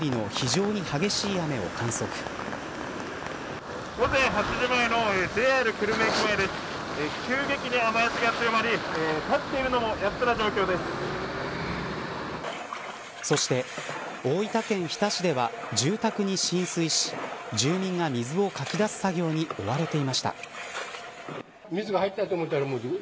急激に雨脚が強まり立っているのもそして、大分県日田市では住宅に浸水し住民が水をかき出す作業に追われていました。